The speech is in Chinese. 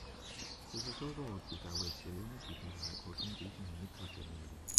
此次收购旨在为其流媒体平台扩充迪士尼自制内容。